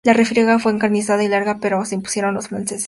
La refriega fue encarnizada y larga, pero se impusieron los franceses.